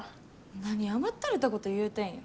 何甘ったれたこと言うてんや。